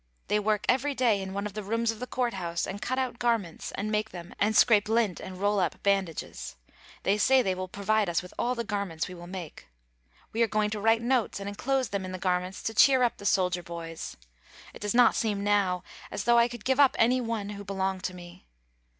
They work every day in one of the rooms of the court house and cut out garments and make them and scrape lint and roll up bandages. They say they will provide us with all the garments we will make. We are going to write notes and enclose them in the garments to cheer up the soldier boys. It does not seem now as though I could give up any one who belonged to me.